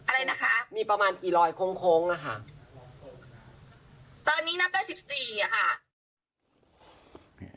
อะไรนะคะมีประมาณกี่รอยโค้งโค้งอ่ะค่ะตอนนี้นับได้สิบสี่อ่ะค่ะ